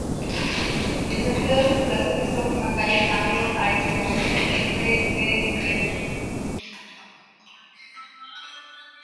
El sentido de circulación de esta última calle cambio a este-oeste, entre Bv.